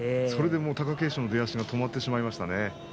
それで貴景勝の出足が止まってしまいましたね。